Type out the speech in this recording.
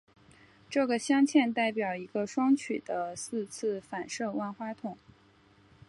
这个镶嵌代表一个双曲的四次反射万花筒。